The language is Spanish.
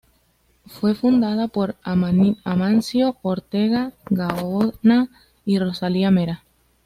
Fue fundada por Amancio Ortega Gaona y Rosalía Mera.